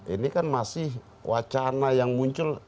ini kan masih wacana yang muncul